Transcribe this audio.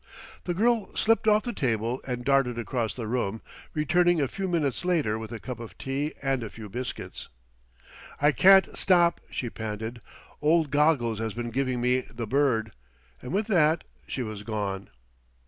The girl slipped off the table and darted across the room, returning a few minutes later with a cup of tea and a few biscuits. "I can't stop," she panted. "Old Goggles has been giving me the bird;" and with that she was gone.